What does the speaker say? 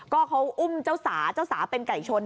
ก็เขาอุ้มเจ้าสาเจ้าสาเป็นไก่ชน